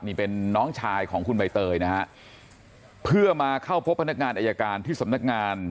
นี่เป็นน้องชายของคุณใบเตยนะฮะเพื่อมาเข้าพบพนักงานอายการที่สำนักงาน